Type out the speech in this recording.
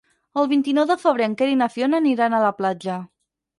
El vint-i-nou de febrer en Quer i na Fiona aniran a la platja.